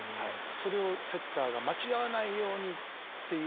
それをセッターが間違わないようにっていうのを。